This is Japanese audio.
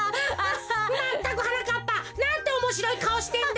まったくはなかっぱなんておもしろいかおしてんだ！